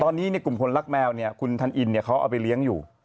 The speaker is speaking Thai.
ตอนนี้กลุ่มคนรักแมวคุณทันอินเขาเอาไปเลี้ยงอยู่